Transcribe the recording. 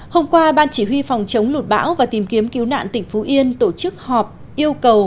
hôm qua ban chỉ huy phòng chống lụt bão và tìm kiếm cứu nạn tỉnh phú yên tổ chức họp yêu cầu